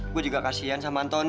gua juga kasian sama antony